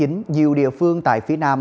nhiều địa phương tại phía nam